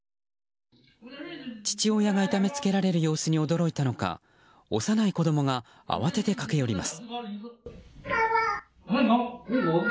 父親が痛めつけられる様子に驚いたのか幼い子供が慌てて駆け寄ります。